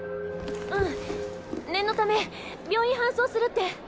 うん念のため病院搬送するって。